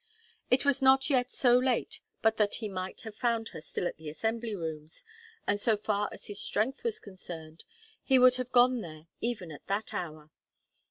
It was not yet so late but that he might have found her still at the Assembly rooms, and so far as his strength was concerned, he would have gone there even at that hour.